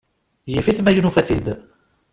Yif-it ma nufa-t-id.